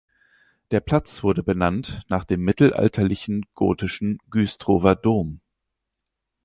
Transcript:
Der Platz wurde benannt nach dem mittelalterlichen gotischen Güstrower Dom.